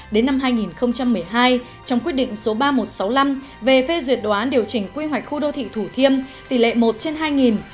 đến năm hai nghìn một mươi hai trong quyết định số ba nghìn một trăm sáu mươi năm về phê duyệt đồ án điều chỉnh quy hoạch khu đô thị thủ thiêm tỷ lệ một trên hai